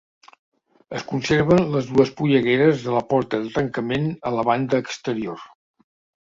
Es conserven les dues pollegueres de la porta de tancament a la banda exterior.